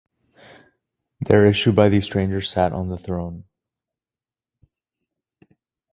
Their issue by these strangers sat on the throne.